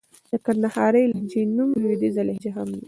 د کندهارۍ لهجې نوم لوېديځه لهجه هم دئ.